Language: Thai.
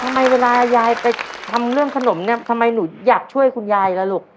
เวลายายไปทำเรื่องขนมเนี่ยทำไมหนูอยากช่วยคุณยายล่ะลูก